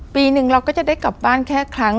ปีหนึ่งเราก็จะได้กลับบ้านแค่ครั้ง